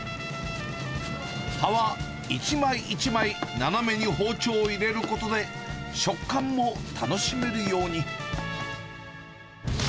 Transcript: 葉は一枚一枚、斜めに包丁を入れることで、食感も楽しめるように。